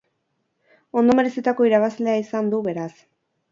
Ondo merezitako irabazlea izan du, beraz.